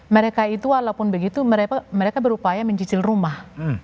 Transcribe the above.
mereka itu walaupun begitu mereka berupaya mencicil rumah